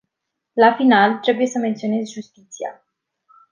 La final, trebuie să menționez justiția.